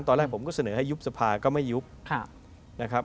ตอนแรกผมก็เสนอให้ยุบสภาก็ไม่ยุบนะครับ